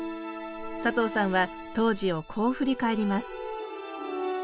佐藤さんは当時をこう振り返ります